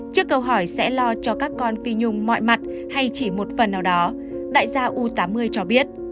trước câu hỏi sẽ lo cho các con phi nhung mọi mặt hay chỉ một phần nào đó đại gia u tám mươi cho biết